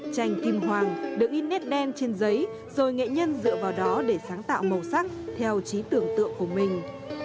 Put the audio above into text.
tranh kim hoàng được in nét đen trên giấy rồi nghệ nhân dựa vào đó để sáng tạo màu sắc theo trí tưởng tượng của mình